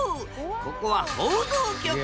ここは報道局。